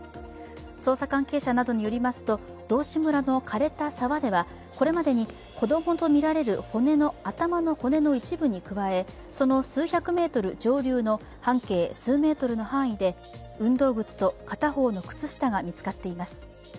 捜査関係者などによりますと道志村のかれた沢ではこれまでに子供とみられる頭の骨の一部に加え、その数百メートル上流の半径数メートルの範囲で運動靴と片方の靴下が見つかっています。